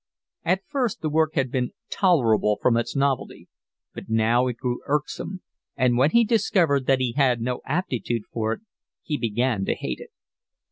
At first the work had been tolerable from its novelty, but now it grew irksome; and when he discovered that he had no aptitude for it, he began to hate it.